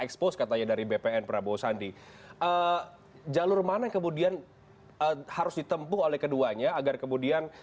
expose katanya dari bpn prabowo sandi jalur mana kemudian harus ditempuh oleh keduanya agar kemudian